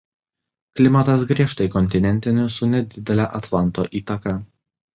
Klimatas griežtai kontinentinis su nedidele Atlanto įtaka.